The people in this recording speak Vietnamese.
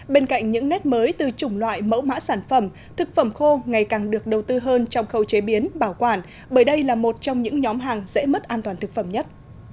bên cạnh những nét mới từ chủng loại mẫu mã sản phẩm thực phẩm khô ngày càng được đầu tư hơn trong khâu chế biến bảo quản bởi đây là một trong những nhóm hàng dễ mất an toàn thực phẩm nhất